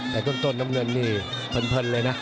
แต่ต้นน้ำเณิญมันเพิ่มเลยนะ